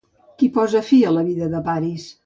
Qui posa fi a la vida de Paris?